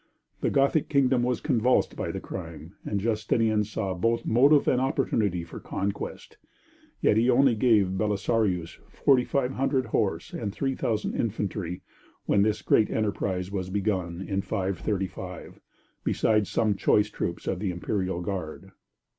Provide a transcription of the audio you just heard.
The Gothic kingdom was convulsed by the crime, and Justinian saw both motive and opportunity for conquest. Yet he only gave Belisarius 4,500 horse and 3,000 infantry when this great enterprise was begun in 535, besides some choice troops of the imperial guard.